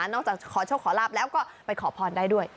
จากขอโชคขอลาบแล้วก็ไปขอพรได้ด้วย